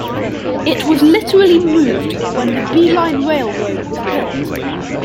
It was literally moved when the Bee Line Railroad was built.